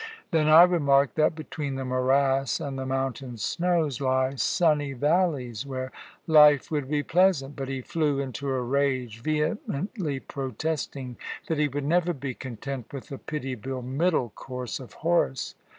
"Then I remarked that between the morass and the mountain snows lie sunny valleys where life would be pleasant; but he flew into a rage, vehemently protesting that he would never be content with the pitiable middle course of Horace.